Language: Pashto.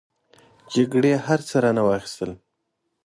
جګړې هر څه رانه واخستل.